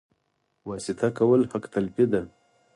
واسطه کول حق تلفي ده